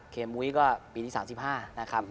มุ้ยก็ปีที่๓๕นะครับ